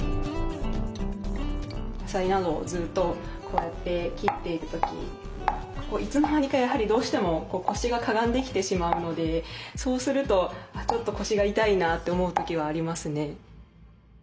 野菜などをずっとこうやって切っている時いつの間にかやはりどうしても腰がかがんできてしまうのでそうするとちょっと腰が痛いなと思う時はありますね。